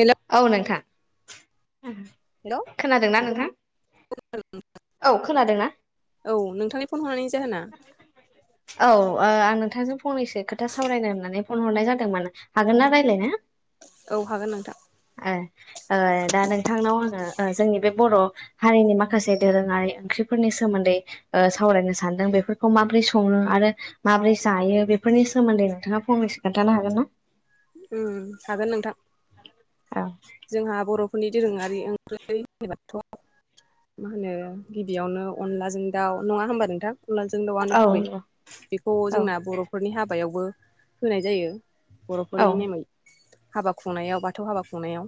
हेल' औ नोंथां खोनादोंना नोंथां? औ खोनादोंना औ नोंथांनि फन हरनायनि जाहोना? औ आं नोंथांजों फंनैसो खोथा सावरायगोन होननानै फन हरनाय जादोंमोन हागोन ना रायज्लायनो? औ हागोन नोंथां ओ दा नोंथांनाव आङो ओ जोंनि बे बर' हारिनि माखासे दोरोङारि ओंख्रिफोरनि सोमोन्दै ओ सावरायनो सानदों बेफोरखौ माबोरै सङो आ रो माबोरै जायो बेफोरनि सोमोन्दै नोंथाङा फंनैसो खोन्थानो हागोन ना? उ हागोन नोंथां। औ जोंहा बर'फोरनि दोरोङारि ओंख्रै [unintelligible] मा होनो गिबियावनो अनलाजों दाउ नङा होमबा नोंथां! अनलाजों दाउआनो औ गुबै बेखौ औ जोंना बर'फोरनि हाबायावबो होनाय जायो। औ बर'फोरनि नेमै हाबा खुंनायाव बाथौ हाबा खुंनायाव।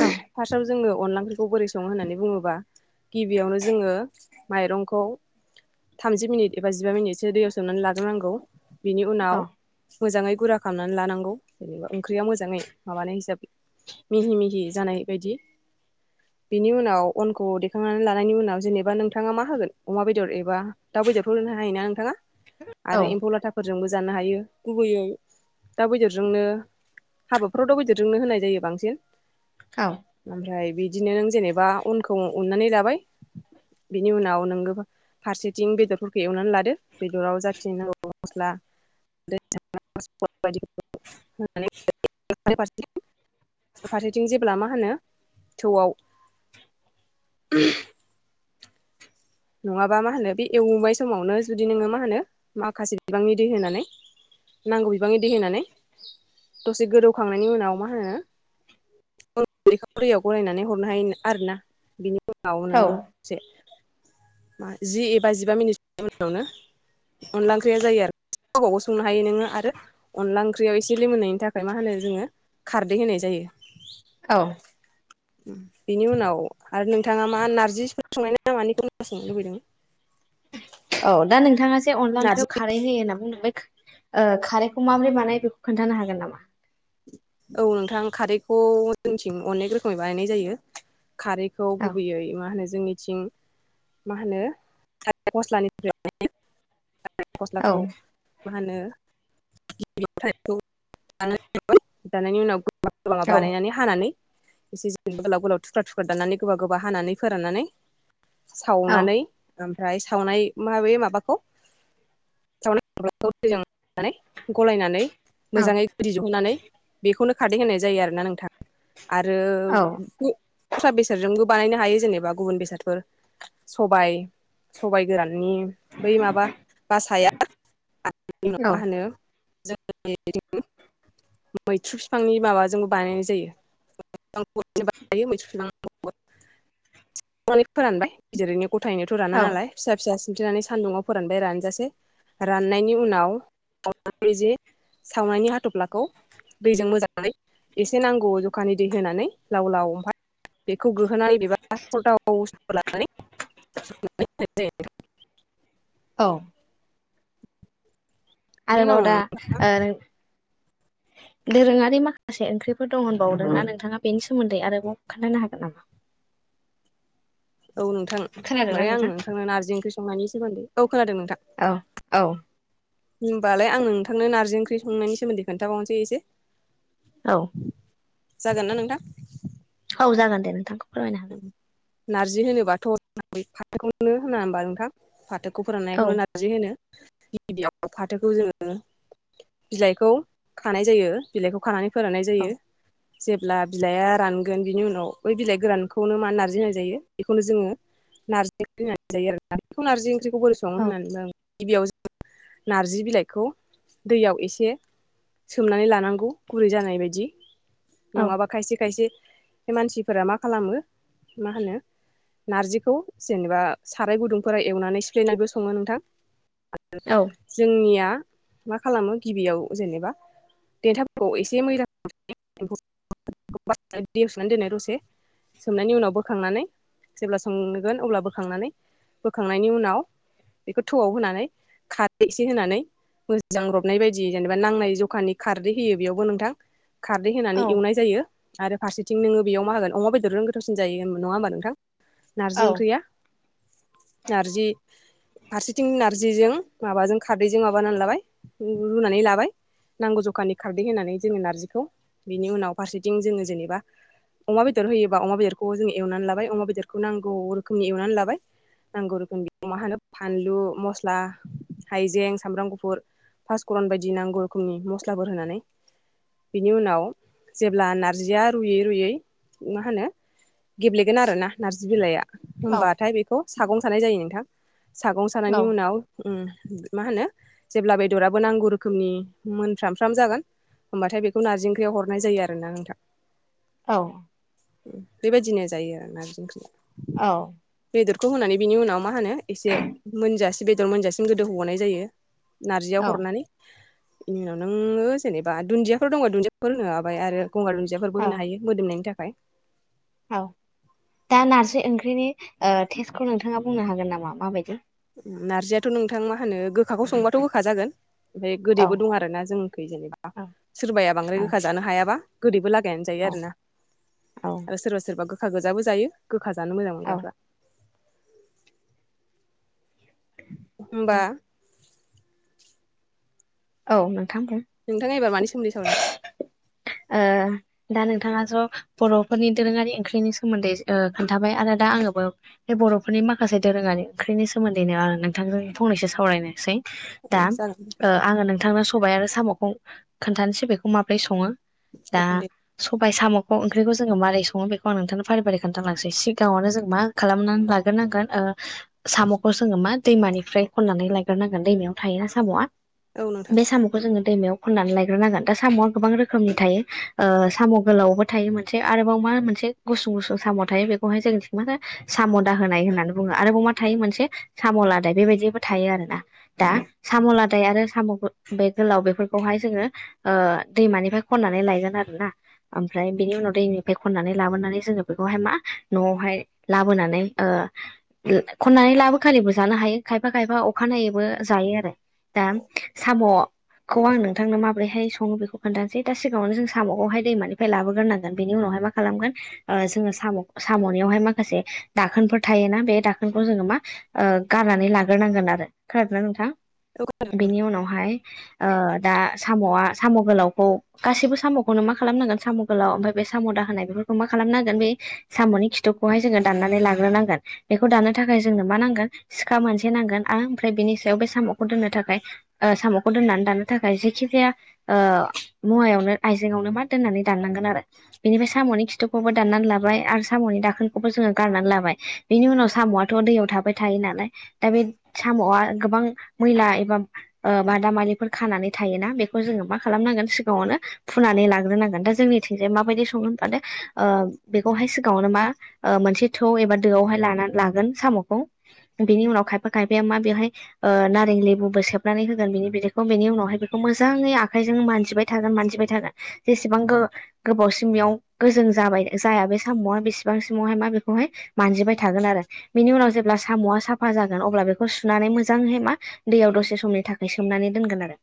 औ जोङो अनला ओंख्रि खौ बोरै संङो होननानै बुङोबा गिबियावनो जोङो मायरंखौ थामजि मिनिट एबा जिबा मिनिटसो दैयाव सोमनानै लाग्रोनांगौ। बिनि उनाव मोजाङै गुरा खालामनानै लानांगौ जेनेबा ओंख्रिया मोजाङै माबानाय हिसाबै मिहि मिहि जानाय बायदि बेनि उनाव अनखौ दैेखांनानै लानायनि उनाव जेनेबा नोंथाङा मा होगोन अमा बेदर एबा दाउ दाउ बेदर फोर होनो हयोना नोंथाङा आरो एम्फौ लाथाफोर जोंबो जानो हायो गुबैयै दाउ बेदरजोंनो हाबाफोराव दाउ बेदरजोंनो होनाय जायो बांसिन। औ ओमफ्राय बिदिनो नों जेनेबा उनखौ उननानै लाबाय। बेनि उनाव नो फारसेथिं बेदरफोरखौ एवनानै लादो। बेदराव जाखिनि नांगौ मस्ला [unintelligible] [unintelligible] होनब्ला मा होनो थौआव [unintelligible] नङाबा मा होनो बे एवबाय समावनो जुदि नोङो मा होनो माखासे बिबांनि दै होनानै नांगौ बिबाङै दै होनानै दसे गोदौखांनायनि उनाव मा होनो लेखाियाव [inaudible] [unintelligible] गरायनानै हरनो हायो आरोोना बिनि [unintelligible] नोङो औ एसे जि एबा जिबा मिनिट उनावनो अनला ओंख्रिया जायो आरो गाव गावासो संनो हायो नोङो आरो अनला ओंख्रिया एसे लिमोननायनि थाखाय मा होनो जोङो खारदै होनाय जायो। औ बिनि उनाव आरो नोंथाङा मा नारजिफोर संनाय ना मानिखौ खोनासंनो लुबैदों? औ दा नोंथाङा जे अनला नारजि ओंख्रियाव खारै होयो होनना खारैखौ माबोरै बानाय बेखौ खोन्थानो हागोन नामा? औ नोंथां खारैखौ‌ जोंथिं अनेक रोखोमै बानायनाय जायो। खारैखौ औ गुबैयै मा होनो जोंनिथिं मा होनो थालिर फस्लानिफ्राय थालिर औ फस्लाखौ [inaudible] मा होनो [inaudible] जानायनि उनाव गोबा-गोबा औ बानायनानै हानानै एसे एसे गोलाव गोलाव थुख्रा थुख्रा दाननानै गोबा गोबा हानानै फोराननानै औ सावनानै ओमफ्राय सावनाय माबे माबाखौ [unintelligible] गलायनानै औ मोजाङै गदि दिहुननानै बेखौनो खादै होननाय जायो आरोना नोंथां आरो औ दस्रा बेसादजोंबो बानायनो हायो जेनेबा गुबुन बेसादफोर सबाइ- सबाइ गोरान मानि बै माबा बासाया आनाव औ मा होनो [inaudible] [unintelligible] [inaudible] जों मैथ्रु बिफांनि माबाजोंबो बानायनाय जायो। मैसनानै फोरानबाय गिदिरनि [inaudible] [unintelligible] गथायनोथ' औ राना नालाय फिसा फिसा सिन्थिनानै सान्दुङाव फोरानबाय रानजासे राननायनि उनाव जि सावनायनि हाथफ्लाखौ दैजों मोजाङै एसे नांगौ जखानि दै होनानै लाव-लाव ओमफ्राय बेखौ गोहोनानै [inaudible] [unintelligible] औ। बेनि आरोबाव उनाव दा ओ दोरोङारि माखासे ओंख्रिफोर दं होनबावदों ना नोंथाङा बेनि सोमोन्दै आरोबाव खोन्थनो हागोन नामा? [inaudible] औ नोंथां खोनादोंना दहाय आं नोंथां? नोंथांनो नारजि ओंख्रि संनायनि सोमोन्दै औ खोनादों नोंथां। औ औ होनोमबालाय आं नोंथांनो नार्जि ओंख्रि संनायनि सोमोन्दै खोन्थाबावनोसै एसे औ। जागोन ना नोंथां? औ जागोन दे नोंथांखौ फोरमायनो हागोन। नार्जि होनोबाथ' होन फाथोखौनो होना होनबा नोंथां? फाथोखौ औ फोराननायखौनो नारजि होनो गिबियाव फाथोखौ जोङो बिलाइखौ खानाय जायो बिलाइखौ खानानै फोराननाय औ जायो जेब्ला बिलाइआ रानगोन बिनि उनाव बै बिलाइ गोरानखौ खौनो मा नारजि होनना जायो बेखौनो जोङो नारजि ओंख्रि होननानै जायो आरोना ओंख्रिखौ बोरै सङनो होनानै बुदों? गिबियाव जों नारजि बिलाइखौ दैयाव एसे सोमनानै लानांगौ गुरै जानाय बायदि औ नङाबा खायसे खायसे मानसिफोरा मा खालामो मा होनो नारजिखौ जेनेबा साराय गुदुंफोरा एवनानै सिफ्लायनानैबो सङो नोंथां। आरो औ जोंनिया मा खालामो गिबियाव जेनेबा देन्थाफोरखौ एसे [inaudible] दैयाव दोननाय दसे सोमनायनि उनाव बोखांनानै जेब्ला संगोन अब्ला बोखांनानै बोखांनायनि उनाव बेखौ थौआव होनानै खारै एसे होनानै मोजां रबनाय बायदि जेनेबा नांनाय जखानि खारदै होयो बेयावबो नोंथां खारदै औ होनानै एवनाय जायो आरो फारसेथिं नोङो बेयाव मा होगोन अमा बेदरजों गोथावसिन जायो नङा होमबा नोंथां। नारजि ओंख्रिया नारजि फारसेथिं नारजिजों माबाजों खारदैजों माबानानै लाबाय रुनानै लाबाय। नांगौ जखानि खारदै होनानै जोङो नारजिखौ बिनि उनाव फारसेथिं जोङो जेनेबा अमा बेदर होयोबा अमा बेदरखौ जोंङ एवनानै लाबाय अमा बेदरखौ नांगौ रोखोमनि एवनानै लाबाय नांगौ रोखोम मा होनो फानलु मस्ला हायजें सामब्राम गुफुर पासपुरन बायदि नांगौ रोखोमनि मस्लाफोर होनानै बिनि उनाव जेब्ला नारजिया रुयै रुयै मा होनो? गेब्लेगोन आरोना नारजि बिलाइआ औ होमबाथाय बेखौ सागं सानाय जायो नोंथां। सागं सानायनि उनाव ओ मा होनो जेब्ला बेदराबो नांगौ रोखोमनि मोनफ्रामफ्राम जागोन होमबाथाय बेखौ नारजि ओंख्रियाव हरनाय जायो आरो ना नोंथां। औ। बेबायदिनो जायो नारजि ओंख्रिआ औ। बेदरखौ होनानै बिनि उनाव मा होनो एसे मोनजासे बेदर मोनजासिम गोदो होबावनाय जायो। नारजियाव औ हरनानै बेनि उनाव नोङो जेनेबा दुन्दियाफोर दं दुन्दियाफोर होलाबाय आरो। गंगार दुदियाफोरबो औ होनो हायो मोदोमनायनि थाखाय। औ दा नारजि ओंख्रिनि टेस्टखौ नोंथाङा बुंनो हागोन नामा माबायदि नारजियाथ' नोंथां मा होनो गोखाखौ संबाथ' गोखा जागोन ओमफ्राय औ गोदैबो दं आरो ना जोंनिखै जेनेबा औ सोरबाया औ बांद्राय गोखा जानो हायाबा गोदैबो लागायनानै जायो आरो ना औ औ आरो सोरबा सोरबा गो गोखा गोजाबो जायो गोखा जानो मोजां औ मोनग्राफ्रा होनबा औ नोंथां बुं। नोंथाङा एबार मानि सोमोन्दै सावरायनो ओ दानि नोंथाङा स बर'फोरनि दोरोङारि ओंख्रिनि सोमोन्दै ओ खोन्थाबाय आरो दा आंबो बे बर'फोरनि माखासे दोरोङारि ओंख्रिनि सोमोन्दैनो आरो नोंथांजों फंनैसो सावरायनोसै औ दा जागोन ओ आङो नोंथांनो सबाय आरो सामखौ खोन्थानोसै बेखौ माबोरै सङो। दा औ दे सबबाय साम अ ओंख्रिखौ जोङो मारै सङो बेखौ आं नोंथांनो फारि फारि खोन्थालांसै सिगाङावनो जों मा खालामनानै लाग्रोनांगोन ओ साम'खौ जोङो मा दैमानिफ्राय खननानै लायग्रोनांगोन दैमायाव थायोना साम'आ? औ नोंथां बे साम'खौ जोङो दैमायाव खननानै लायग्रोनांगोन। दा साम'आ गोबां रोखोमनि थायो साम' गोलावबो थायो मोनसे आरोबाव मा मोनसे एसे गुसुं गुसुं साम' थायो बेखौहाय जोंनिथिं मा होनो साम' दाहोनाय होननानै बुङो आरोबाव मा थायो मोनसे साम' लादाय बेबायदिबो थायो आरोना दा साम' लादाय आरो साम' बे गोलाव बेफोरखौहाय जोङो दैमानिफ्राय खननानै लायगोन आरो ना ओमफ्राय बिनि उनाव दैनिफ्राय खननानै लाबोनानै जोङो बेखौहाय मा न'आवहाय लाबोनानै ओ खननानै लाबो खालिबो जानो हायो खायफा खायफा अखानायैबो जायो आरो दा साम' खौ आं नोंथांनो माबोरैहाय सङो बेखौ खोन्थानोसै दा सिगाङावनो जों साम'खौहाय दैमानिफ्राय लाबोग्रोनांगोन बेनि उनाव माबा खालामगोन ओ जोङो साम' साम'नियाव माखासे माखासे दोनफोर थायोना बे दोनखौ जोङो मा ओ गारनानै लाग्रोनांगोन आरो खोनादोंना नोंथां? औ [unintelligible] बाय ओ दा साम'आ साम' गोलावखौ गासैबो साम'खौनो मा खालामनांगोन साम' गोलाव ओफ्राय बे साम' दाहोनाय बेफोरखौ मा खालामनांगोन बे साम'नि खिथुखौहाय जोङो दाननानै लाग्रोनांगोन बेखौ दानो थाखाय जोंनो मा नांगोन सिखा मोनसे नांगोन आरो ओमफ्राय बेनि सायाव बे साम'खौ दोननो थाखाय। ओ साम'खौ दोननानै दाननो थाखाय जायखि जाया ओ मुवायावनो आइजेंआवनो मा दोननानै दान गोन आरो बेनिफ्राय साम'नि खिथुखौबो दाननानै लाबाय आरो साम'नि दाखोनखौबो जोङो गारनानै लाबाय। बेनि उनाव साम'आथ' दैयाव थाबाय थायोनालाय दा बे साम'आ गोबां मैला एबा बादामालिफोर खानानै थायोना बेखौ जोङो मा खालामनांगोन सिगाङावनो फुनानै लाग्रोनांगोन दा जोंनि। थिंजाय माबादि संगोन ओ बेखौहाय सिगाङावनो मा मोनसे थौ एबा दोयावहाय लानानै लागोन साम'खौ बिनि उनाउ कायपा - कायपाय मा बेहाय नारें लेहु बो सोब। खुनानै होगोन बिनि बिदैखौ बेनि उनावहाय बेखौ मोजाङै आखाइजों मानजिबाय थागोन मानजिबाय थागोन जेसेबां गो गोबावसिम बेयाव गोजों जाबाय जाया बे साम'आ बेसेबांसिमावहाय मा बेखौहाय मानजिबाय थायो थागोन आरो बेनि उनाव जेब्ला साम'आ साफा जागोन अब्ला बेखौ सुनानै मोजाङै दैयाव दसे समनि थाखाय सोमनानै दोनगोन आरो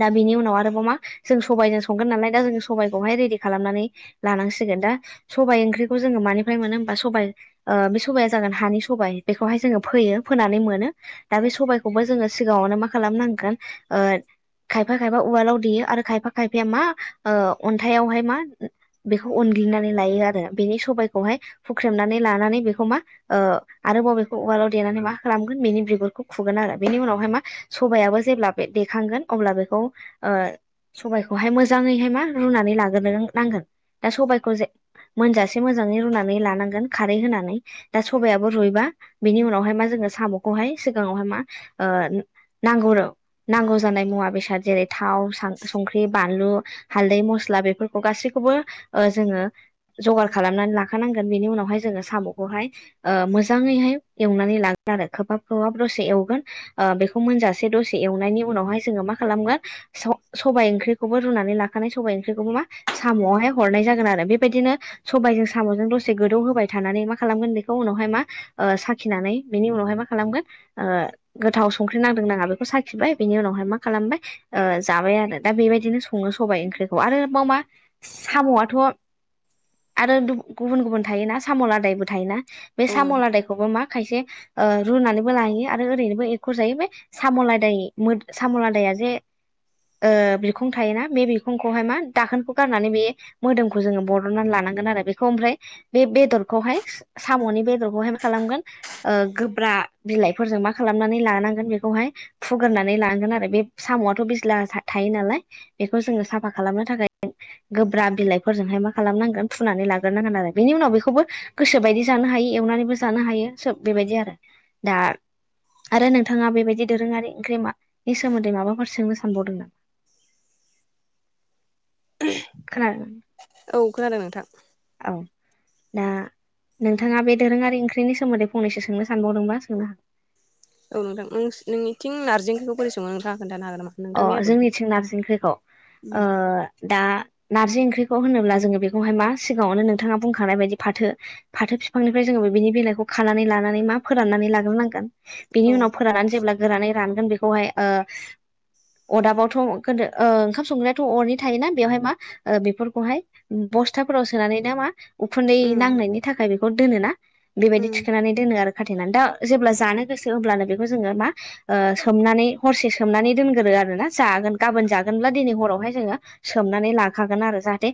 दा बिनि उनाव आरोबाव मा जों सबाइजों संगोन नालाय दा जों सबाइखौहाय रेदि खालामनानै लानांसिगोन जोङो दा सबाइ ओंख्रिखौ जोङो मानिफ्राय मोनो होनबा सबाइ ओ बे सबाइआ जागोन हानि सबाइ बेखौहाय जोङो फोयो फोनानै मोनो दा बे सबायखौबो जोङो सिगाङावनो मा खालामनांगोन ओ खायफा खायफा उवालाव देयो आरो खायफा खायफाया मा अन्थायावहाय मा बेखौ उन उनग्लिनानै लायो आरो बेनि सखौहाय फुख्रेमनानै लानानै बेखौ मा ओ आरोबाव बेखौ उवालाव देनानै मा खालामगोन बेनि बिगुरखौ खुगोन आरो बेनि उनाव ओमफाय मा सबायाबो जेब्ला बे देखांगोन अब्ला बेखौ ओ सबाइखौहाय मोजाङैहाय मा रुनानै लाग्रोनो नांगोन दा सबाइखौ जे मोनजासे मोजाङै रुनानै लानांगोन खारै होनानै दा सबायाबो रुइबा बिनि उनावहाय मा जा ओ साम'खौहाय सिगाङावहाय मा नांगौ नांगौ जानाय मुवा बेसाद जेरै थाव सां संख्रि बानलु हाल्दै, मस्ला बेफोरखौ गासैखौबो ओ जोङो जगार खालामनानै लाखानांगोन बेनि उनावहाय जोङो साम'खौहाय मोजाङैहाय एवनानै लागोन आरो खोबहाब खोबहाब दसे एवगोन। बेखौ मोनजासे दसे एवनायनि उनावहाय जोङो मा खालामगोन सबाय ओंख्रिखौबो रुनानै लाखा माने सबाइ ओंख्रिखौबो मा साम'आवहाय हरनाय जागोन आरो बेबायदिनो सबायजों साम'जों दसे गोदौ होबाय था [unintelligible] नानै मा खालामगोन बेखौ उनावहाय मा साखिनानै बेनि उनावहाय मा खालामगोन गोथाव संख्रि नांदों नाङा बेखौ साखिबाय बेनि उनावहाय मा खालामबाय ओ जाबाय आरो दा बेबायदिनो सङो सबाय ओंख्रिखौ आरोब मा साम'आथ' आरो गुबुन गुबुन थायोना साम' लादायबो थायोना बे औ साम' नोंथां लादायखौबो मा खायसे ओ रुनानैबो लाहैयो आरो ओरैनो एख' जायोबो बे साम'लादाय सामलादाया जे ओ बिखं थायोना बे बिखंखौहाय मा दाखोनखौ गारनानै बे मोदोमखौ जोङो बरननानै ला [unintelligible] आरो बेखौ ओमफ्राय बे बेदरखौहाय सामनि बेदरखौहाय मा खालामगोन ओ गोब्रा [unintelligible] बिलाइफोरजों मा खालामनानै लानांगोन बेखौहाय फुग्रोनानै लानांगोन आरो बे साम'आथ' बिज्ला थायो नालाय। बेखौ जोङो साफा खालामनो थाखाय गोब्राब बिलाइफोरजोंहाय मा खालामनांगोन फुनानै लाग्रोनांगोन आरो बेनि उनाव बेखौबो गोसोबायदि जानो हायो एवनानैबो जानो हायो सोब बेबायदि आरो दा आरो नोंथाङा बेबायदि दोरोङारि ओंख्रिनि मानि सोमोन्दै माबाफोर सोंनो सानबावदों नामा खोनादों औ खोनादों नोंथां। ना नोंथाङा बे दोरोङारि ओंख्रिनि सोमोन्दै फंनैसो सोंनो सानबावदोंबा सोंनो हा औ नोंथां नोंनिथिं नारजि ओ‌ंख्रिखौ बोरै सङो नोंथांया खोन्थानो हागोन। नामा अ नोंथांनि आदबजों? जोंनिथिं नारजि ओंख्रिखौ ओ दा नारजि ओंख्रिखौ होनोब्ला जोङो बेखौहाय मा सिगाङावनो नोंथाङा बुंखानाय बायदि फाथो फाथो बिफांनिफ्राय जोङो बिनि बेलाइखौ खानानै लानानै मा फोराननानै लाग्रोनांगोन? बिनि औ उनाव फोराननानै जेब्ला गोरानै रानगोन बेखौहाय ओ अरदाबावथ' गोदो ओ ओंखाम संग्रायाथ' अरनि थायोना बेवहाय मा बेफोरखौहाय बस्थाफोराव सोनानै नामा उखुन्दै उम नांनायनि थाखाय बेखौ दोनोना बेबायदि उम थिखोनानै दोनो आरोना खाथेनानै दा जेब्ला जानो गोसो अब्लानो बेखौ जोङो मा सोमनानै हरसे सोमनानै दोन आरोना जागोन गाबोन जागोनब्ला दिनै हरावहाय जोङो सोमनानै लाखागोन आरो जाहाथे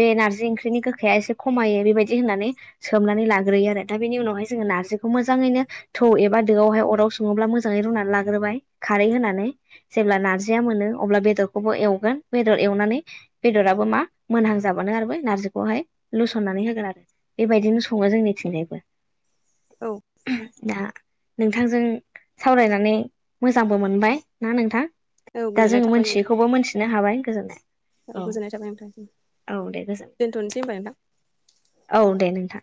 बे नारजि ओंख्रिनि गोखाया एसे खमायो बेबायदि होननानै सोमनानै लाग्रोयो आरो दा बेनि उनावहाय जोङो ना नारजिखौ मोजाङैनो थौ एबा दोआवहाय अराव सङोब्ला मोजाङै रुनानै लाग्रोबाय खारै होनानै। जेब्ला नारजिया मोनो अब्ला बेदरखौबो एवगोन बेदर एवनानै बेदराबो मा मोनहां जाबानो आरो बे नारजिखौहाय लुसननानै होगोन आरो बेबायदिनो सङो जोंनिथिंजायबो। औ दा नोंथांजों सावरायनानै मोजांबो मोनबाय ना नोंथां। औ दा गोजोननाय जोङो थाबाय नोंथां मोनथियैखौबो मोनथिनो हाबाय गोजोननाय औ गोजोननाय थाबाय नोंथांनिसिम दे गोजोन दोनथ'नोसै होनबा नोंथां। औ दे नोंथां।